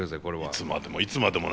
「いつまでもいつまでも」なんてね